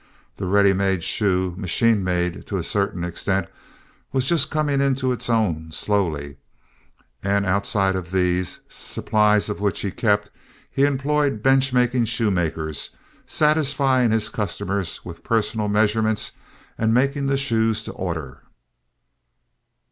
The ready made shoe—machine made to a certain extent—was just coming into its own slowly, and outside of these, supplies of which he kept, he employed bench making shoemakers, satisfying his customers with personal measurements and making the shoes to order.